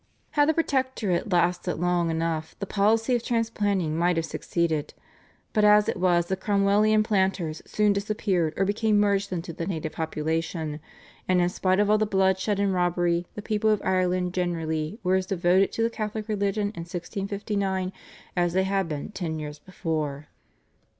Had the Protectorate lasted long enough the policy of transplanting might have succeeded, but as it was the Cromwellian planters soon disappeared or became merged into the native population, and in spite of all the bloodshed and robbery, the people of Ireland generally were as devoted to the Catholic religion in 1659 as they had been ten years before.